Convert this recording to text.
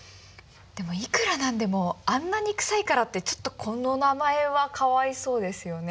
でもいくら何でもあんなに臭いからってちょっとこの名前はかわいそうですよね。